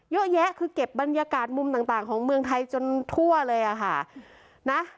เยอะแยะคือเก็บบรรยากาศมุมต่างของเมืองไทยจนทั่วเลยอะค่ะนะ